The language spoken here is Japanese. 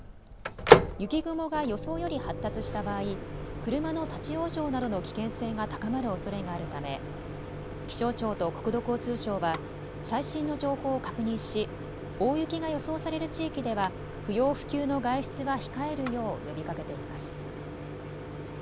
雪雲が予想より発達した場合、車の立往生などの危険性が高まるおそれがあるため気象庁と国土交通省は最新の情報を確認し大雪が予想される地域では不要不急の外出は控えるよう呼びかけています。